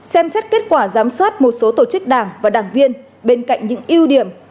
xem xét kết quả giám sát một số tổ chức đảng và đảng viên bên cạnh những ưu điểm